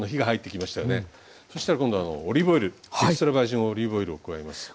そしたら今度オリーブオイルエクストラバージンオリーブオイルを加えます。